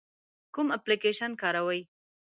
کوم اپلیکیشن کاروئ؟